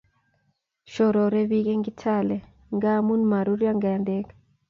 shorore pik en Kitale ngamun maruryo Ngendek